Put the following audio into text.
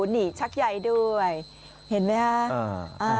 นี่ชักใยด้วยเห็นไหมฮะ